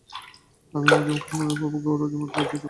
আমি আমার যৌবনকে সম্পূর্ণরূপে উপভোগ করার মতো বাঁচতে চাইছিলাম।